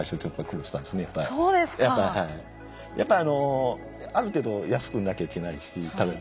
やっぱりある程度安くなきゃいけないし。